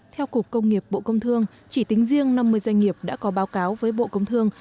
theo cục công nghiệp bộ công thương chỉ tính riêng năm mươi doanh nghiệp đã có báo cáo với bộ công thương